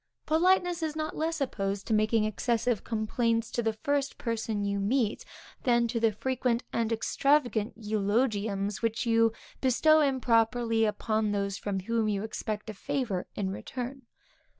Politeness is not less opposed to making excessive complaints to the first person you meet, than to the frequent and extravagant eulogiums which you bestow improperly upon those from whom you expect a favor in return.